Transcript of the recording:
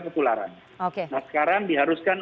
kekularan sekarang diharuskan